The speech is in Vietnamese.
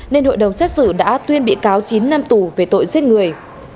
nên hội đồng xét xử đã tuyên bị cáo chín năm tù về tội giết người